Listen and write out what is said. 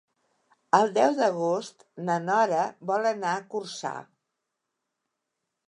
El deu d'agost na Nora vol anar a Corçà.